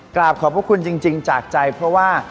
กราบขอบพระคุณจริงจากใจเพราะว่า